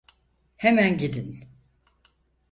Hemen gidin!